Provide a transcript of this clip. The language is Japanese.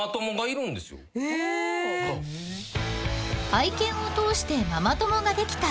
［愛犬を通してママ友ができた岩尾さん］